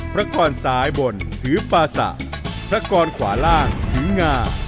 พระกรซ้ายบนถือปาสะพระกรขวาล่างถืองา